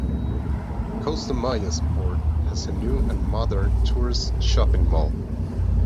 Costa Maya's port has a new and modern tourist shopping mall.